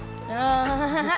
アハハハハ。